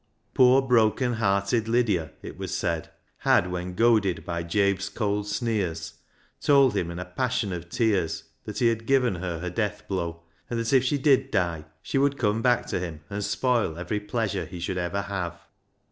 Poor broken hearted Lydia, it was said, had, when goaded by Job's cold sneers, told him in a passion of tears that he had given her her death blow, and that if she did die she would come back to him and spoil every pleasure he should ever have.